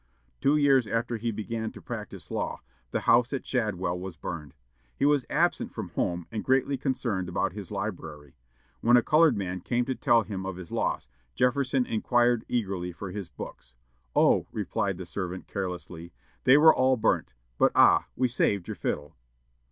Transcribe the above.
Two years after he began to practise law, the house at "Shadwell" was burned. He was absent from home, and greatly concerned about his library. When a colored man came to tell him of his loss, Jefferson inquired eagerly for his books. "Oh," replied the servant, carelessly, "they were all burnt, but ah! we saved your fiddle!"